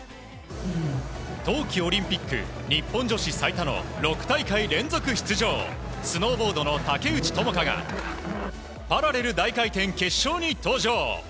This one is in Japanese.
冬季オリンピック、日本女子最多の６大会連続出場、スノーボードの竹内智香が、パラレル大回転決勝に登場。